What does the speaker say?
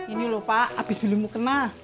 ini lho pak abis beli mau kena